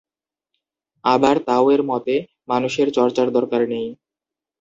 আবার তাও এর মতে, মানুষের চর্চার দরকার নেই।